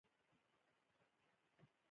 د خدای یاد د روح قوت دی.